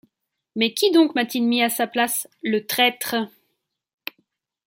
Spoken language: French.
Mais qui donc m’a-t-il mis à sa place, le traître?